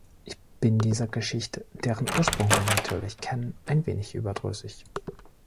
Ich bin dieser Geschichte, deren Ursprung wir natürlich kennen, ein wenig überdrüssig.